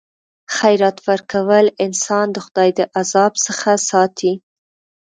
خیرات ورکول انسان د خدای د عذاب څخه ساتي.